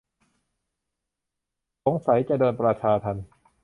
สงสัยจะโดนประชาทัณฑ์